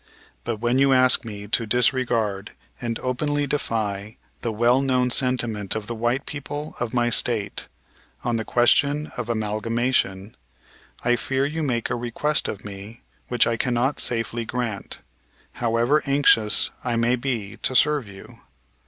But when you ask me to disregard and openly defy the well known sentiment of the white people of my State on the question of amalgamation, I fear you make a request of me which I cannot safely grant, however anxious I may be to serve you.